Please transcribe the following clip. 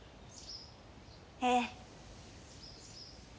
ええ。